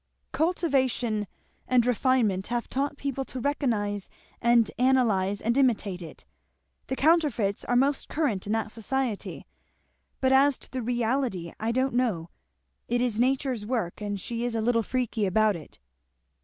"Cultivation and refinement have taught people to recognize and analyze and imitate it; the counterfeits are most current in that society, but as to the reality I don't know it is nature's work and she is a little freaky about it."